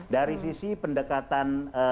dari sisi pendekatan